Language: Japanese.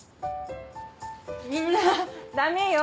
みんなダメよ